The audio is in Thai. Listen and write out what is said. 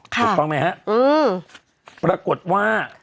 ถูกต้องไหมฮะปรากฏว่า